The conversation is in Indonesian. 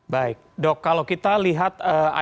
baik dok kalau kita lihat ancaman varian itu apa